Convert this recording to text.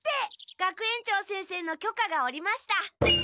学園長先生のきょかが下りました。